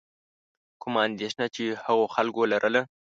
کومه اندېښنه چې هغو خلکو لرله.